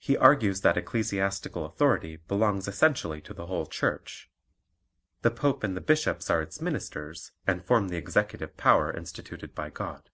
He argues that ecclesiastical authority belongs essentially to the whole Church. The Pope and the bishops are its ministers, and form the executive power instituted by God.